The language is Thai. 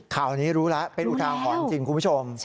ข่าวนี้รู้แล้วเป็นอุทาหรณ์จริงคุณผู้ชม